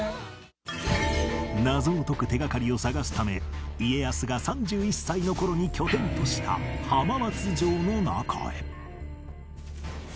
謎を解く手掛かりを探すため家康が３１歳の頃に拠点とした浜松城の中へ